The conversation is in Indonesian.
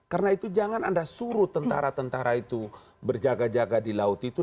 karena itu jangan anda suruh tentara tentara itu berjaga jaga di laut itu